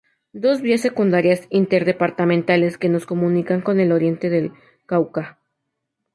Dos vías secundarias interdepartamentales que nos comunican con el oriente del Cauca.